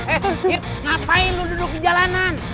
eh ngapain lu duduk di jalanan